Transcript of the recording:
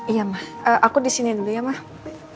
iya mbak aku di siniin dulu ya mbak